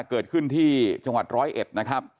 เกิดขึ้นที่จังหวัดร้อยเอ็ดนะครับ